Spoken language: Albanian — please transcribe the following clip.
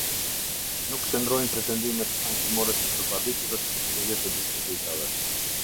Nuk qëndrojnë pretendimet ankimore të së paditurës për shkelje të dispozitave.